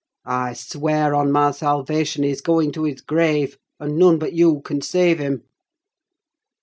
I swear, on my salvation, he's going to his grave, and none but you can save him!"